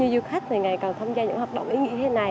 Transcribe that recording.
du khách này ngày càng tham gia những hợp động ý nghĩa như thế này